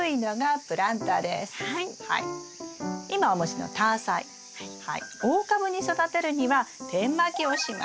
今お持ちのタアサイ大株に育てるには点まきをします